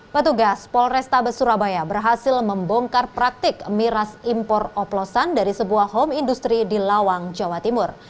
petugas polrestabes surabaya berhasil membongkar praktik miras impor oplosan dari sebuah home industry di lawang jawa timur